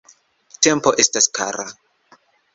Tempo estas kara.